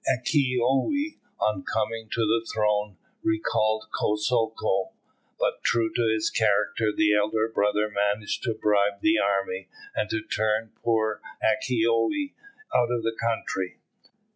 Akitoye, on coming to the throne, recalled Kosoko; but, true to his character, the elder brother managed to bribe the army, and to turn poor Akitoye out of the country.